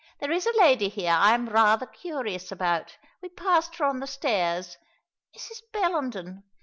"There is a lady here I am rather curious about. We passed her on the stairs. Mrs. Bellenden.